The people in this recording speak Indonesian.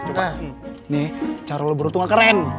coba nih cara lo beruntung gak keren